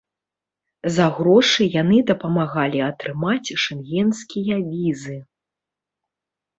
За грошы яны дапамагалі атрымаць шэнгенскія візы.